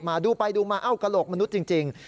มาดูไปดูมาเอ้ากระโหลกมนุษย์จริง